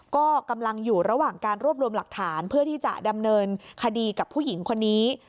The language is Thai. ก็กำลังอยู่ระหว่างการรวบรวมหลักฐานเพื่อที่จะดำเนินคดีกับผู้หญิงคนนี้